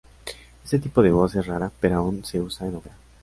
Este tipo de voz es rara, pero aún se usa en opera.